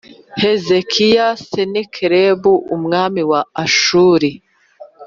Hezekiya senakeribu umwami wa ashuri